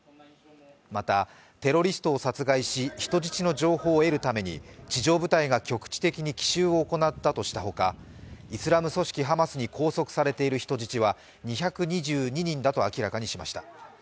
またテロリストを殺害し人質の情報を得るために地上部隊が局地的に奇襲を行ったとしたほかイスラム組織ハマスに拘束されている人質は２２２人だと明らかにしました。